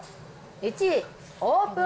１位、オープン。